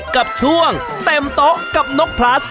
กับช่วงเต็มโต๊ะกับนกพลัส